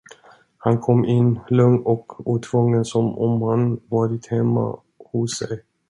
Han kom in, lugn och otvungen, som om han varit hemma hos sig.